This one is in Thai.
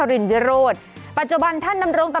สวัสดีคุณชิสานะฮะสวัสดีคุณชิสานะฮะ